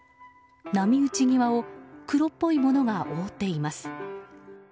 波打ち際を黒っぽいものが覆っています。